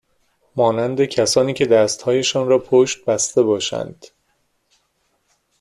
مانند کسانی که دستهایشان را پشت بسته باشند